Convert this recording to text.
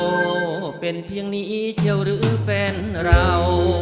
โอ้เป็นเพียงนี้เฉียวหรือเป็นเรา